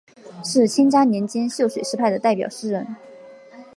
是干嘉年间秀水诗派的代表诗人。